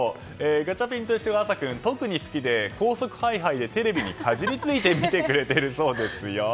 ガチャピンといっしょ！が朝渚君、特に好きで高速ハイハイでテレビにかじりついて見てくれてるそうですよ。